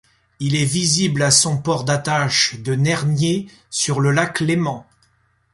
Il est visible à son port d'attache de Nernier sur le lac Léman.